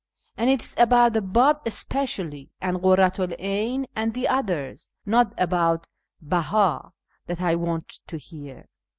And it is about the Bab especially, and Kurratu l 'Ayn, and the others, not about Beh;i, that I want to hear.